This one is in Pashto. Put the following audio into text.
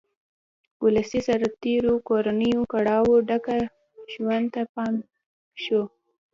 ولسي سرتېرو د کورنیو کړاوه ډک ژوند ته یې پام شو.